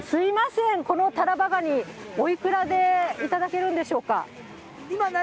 このタラバガニ、おいくらでいただけるんでしょうか。